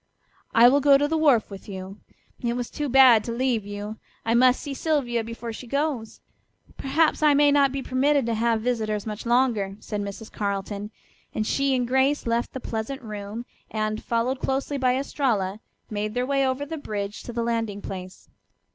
"I will go to the wharf with you. It was too bad to leave you. I must see Sylvia before she goes. Perhaps I may not be permitted to have visitors much longer," said Mrs. Carleton, and she and Grace left the pleasant room and, followed closely by Estralla, made their way over the bridge to the landing place.